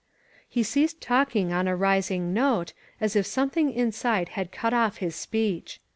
'* He ceased talking on a rising note, as if something inside had cut off his speech.